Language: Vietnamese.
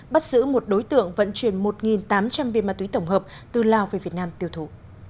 bắt giữ một đối tượng vận chuyển một tám trăm linh viên ma túy tổng hợp từ lào về việt nam tiêu thụ